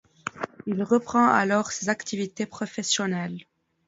Il reprend alors ses activités professionnelles.